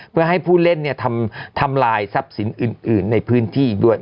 เพื่อให้ผู้เล่นทำลายทรัพย์สินอื่นในพื้นที่อีกด้วย